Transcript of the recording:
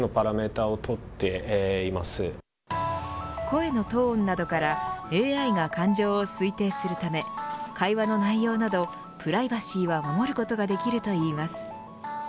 声のトーンなどからＡＩが感情を推定するため会話の内容などプライバシーは守ることができるといいます。